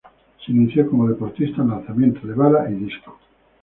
Se inició como deportista en lanzamiento de bala y disco.